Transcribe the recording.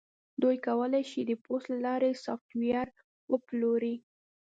دوی کولی شي د پوست له لارې سافټویر وپلوري